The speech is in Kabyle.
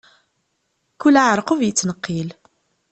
Kul aɛerqub yettneqqil.